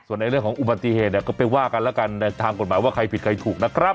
ส่วนในเรื่องของอุบัติเหตุเนี่ยก็ไปว่ากันแล้วกันในทางกฎหมายว่าใครผิดใครถูกนะครับ